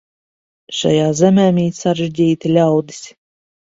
Šajā zemē mīt sarežģīti ļaudis.